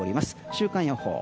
週間予報。